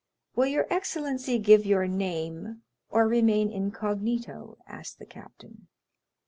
"Will your excellency give your name, or remain incognito?" asked the captain.